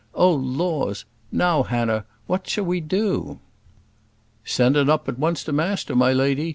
"Oh laws! now, Hannah, what shall we do?" "Send 'un up at once to master, my lady!